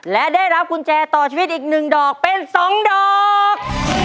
และได้รับกุญแจต่อชีวิตอีก๑ดอกเป็น๒ดอก